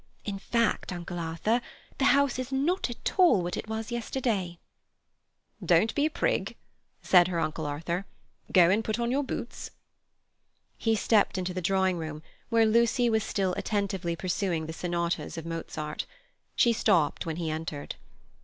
In fact, Uncle Arthur, the house is not at all what it was yesterday." "Don't be a prig," said her Uncle Arthur. "Go and put on your boots." He stepped into the drawing room, where Lucy was still attentively pursuing the Sonatas of Mozart. She stopped when he entered.